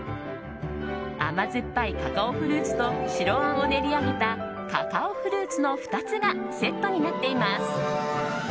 甘酸っぱいカカオフルーツと白あんを練り上げたカカオフルーツの２つがセットになっています。